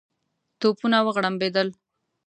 توپونه وغړمبېدل.